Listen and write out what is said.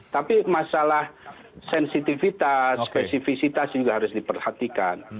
tapi masalah sensitivitas spesifisitas juga harus diperhatikan